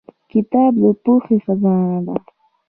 • کتاب د پوهې خزانه ده.